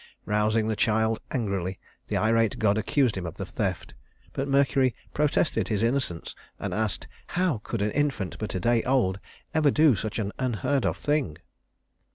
Rousing the child angrily, the irate god accused him of the theft; but Mercury protested his innocence, and asked, "How could an infant but a day old ever do such an unheard of thing?"